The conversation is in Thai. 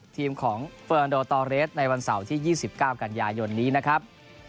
ทีมของเฟอร์นโดตอเรสในวันเสาร์ที่๒๙กันยายนนี้นะครับ